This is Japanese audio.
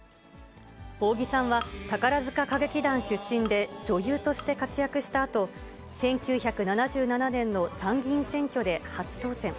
扇さんは宝塚歌劇団出身で、女優として活躍したあと、１９７７年の参議院選挙で初当選。